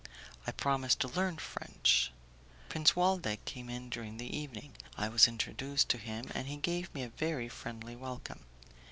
I promised to learn French. Prince Waldeck came in during the evening; I was introduced to him, and he gave me a very friendly welcome.